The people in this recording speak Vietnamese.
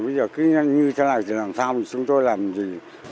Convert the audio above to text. bây giờ cứ như thế này thì làm sao chúng tôi làm gì